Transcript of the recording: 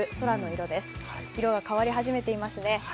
色が変わり始めていますね。